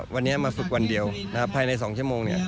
วันนี้มาฝึกวันเดียวภายใน๒ชั่วโมง